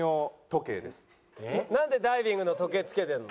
なんでダイビングの時計着けてるの？